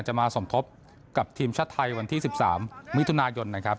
มาสมทบกับทีมชาติไทยวันที่๑๓มิถุนายนนะครับ